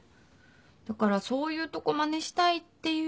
だからそういうとこまねしたいっていうか。